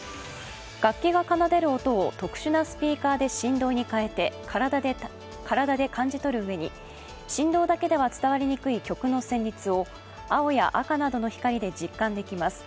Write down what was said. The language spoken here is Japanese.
楽器が奏でる音を特殊なスピーカーで音に変えて、体で感じとるうえに振動だけでは伝わりにくい曲の旋律を青や赤などの光で実感できます。